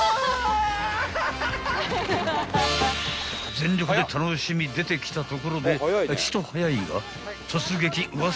［全力で楽しみ出てきたところでちと早いが］